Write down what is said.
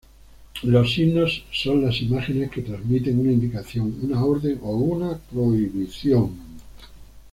Los signos son las imágenes que transmiten una indicación, una orden o una prohibición.